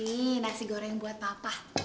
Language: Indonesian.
ini nasi goreng buat papa